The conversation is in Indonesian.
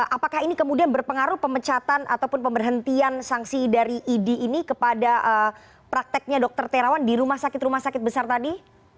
apakah ini kemudian berpengaruh pemecatan ataupun pemberhentian sanksi dari idi ini kepada prakteknya dr terawan di rumah sakit rumah sakit besar tadi